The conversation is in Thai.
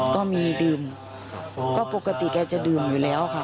ก็มีดื่มก็ปกติแกจะดื่มอยู่แล้วค่ะ